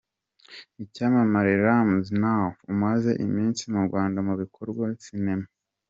Icyamamare Ramsey Nouah amaze iminsi mu Rwanda mu bikorwa bya sinema.